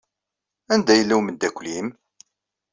Anda yella umeddakel-nnem?